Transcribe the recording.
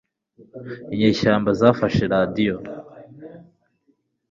inyeshyamba zafashe radiyo